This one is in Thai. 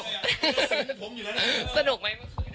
สนุกไหมเมื่อกี้